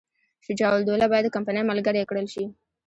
شجاع الدوله باید د کمپنۍ ملګری کړل شي.